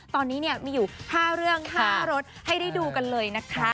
ตอนนี้มีอยู่๕เรื่อง๕รถให้ได้ดูกันเลยนะคะ